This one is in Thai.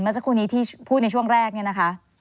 เมื่อสักครู่นี้ที่พูดในช่วงแรกเนี่ยนะคะ